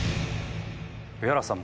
上原さん